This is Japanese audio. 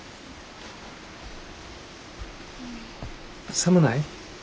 寒ない？